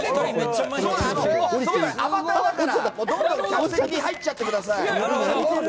客席に入っちゃってください。